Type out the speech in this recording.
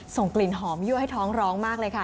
ส่งกลิ่นหอมยั่วให้ท้องร้องมากเลยค่ะ